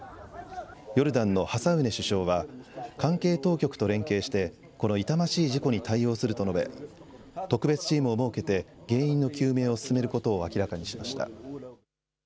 ヨルダンのハサウネ首相は、関係当局と連携して、この痛ましい事故に対応すると述べ、特別チームを設けて、原因の究明を進めることを明らかにしました。